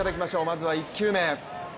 まずは１球目。